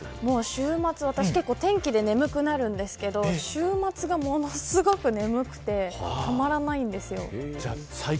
週末、天気で眠くなるんですけど週末がものすごく眠くてたまらないんです。